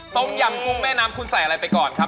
ต้มยำกุ้งแม่น้ำคุณใส่อะไรไปก่อนครับ